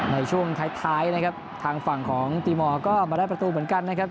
ในช่วงท้ายนะครับทางฝั่งของตีมอร์ก็มาได้ประตูเหมือนกันนะครับ